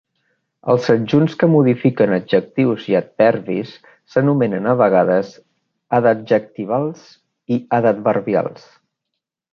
Els adjunts que modifiques adjectius i adverbis s'anomenen a vegades "adadjectivals" i "adadverbials".